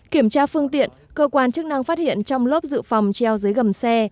kiểm tra phương tiện cơ quan chức năng phát hiện trong lớp dự phòng treo dưới gầm xe